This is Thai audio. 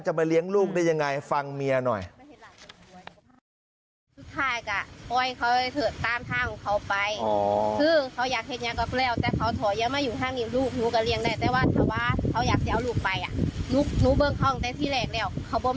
เจ้าหลูกไปหนูเบิ่งเข้าออกแค่ที่แหลกแล้ว